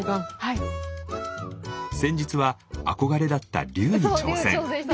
先日は憧れだった「龍」に挑戦。